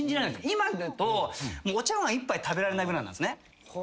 今だとお茶わん１杯食べられないぐらいなんですね。